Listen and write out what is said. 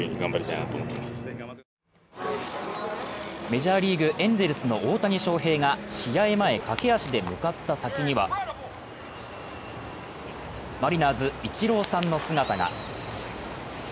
メジャーリーグ、エンゼルスの大谷翔平が試合前、駆け足で向かった先にはマリナーズ・イチローさんの姿が。